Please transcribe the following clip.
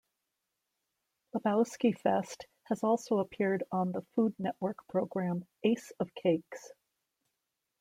Lebowski Fest has also appeared on the Food Network program Ace of Cakes.